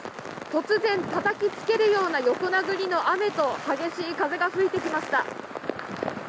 突然、たたきつけるような横殴りの雨と激しい風が吹いてきました。